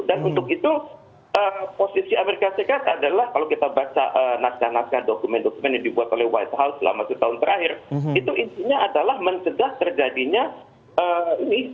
dan untuk itu posisi amerika serikat adalah kalau kita baca nasgan nasgan dokumen dokumen yang dibuat oleh white house selama satu tahun terakhir itu intinya adalah mencegah terjadinya ini